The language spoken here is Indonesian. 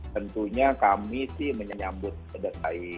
tentunya kami sih menyambut kedelai